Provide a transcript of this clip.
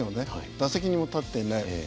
打席にも立っていない。